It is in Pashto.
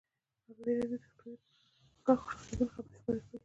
ازادي راډیو د اقتصاد په اړه د مخکښو شخصیتونو خبرې خپرې کړي.